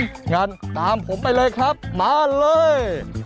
งั้นตามผมไปเลยครับมาเลย